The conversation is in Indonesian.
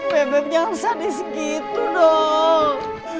bebep jangan sadis gitu dong